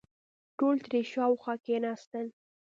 ټول ترې شاوخوا کېناستل.